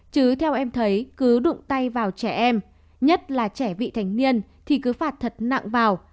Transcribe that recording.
chứ theo em thấy cứ đụng tay vào trẻ em nhất là trẻ vị thành niên thì cứ phạt thật nặng vào